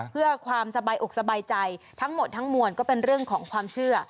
เพื่อความสบายอกสบายใจทั้งหมดทั้งมวลก็เป็นเรื่องของความเชื่อ